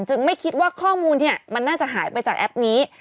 ไม่คิดว่าข้อมูลมันน่าจะหายไปจากแอปนี้